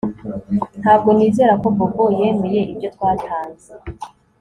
Ntabwo nizera ko Bobo yemeye ibyo twatanze